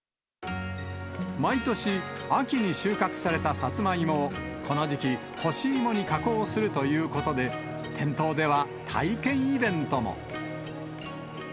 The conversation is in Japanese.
毎年、秋に収穫されたさつまいもを、この時期、干し芋に加工するということで、店頭では体験イベントも。